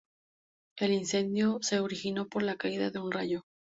El incendio se originó por la caída de un rayo.